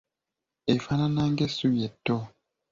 Efaanaana ng’essubi etto.